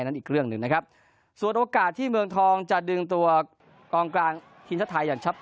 นั่นอีกเรื่องหนึ่งนะครับสวดโอกาสที่เมืองทองจะดึงตรว่ากองกลาง